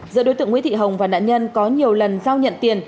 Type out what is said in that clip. giữa đối tượng nguyễn thị hồng và nạn nhân có nhiều lần giao nhận tiền